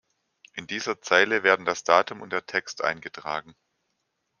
In dieser Zeile werden das Datum und der Text eingetragen.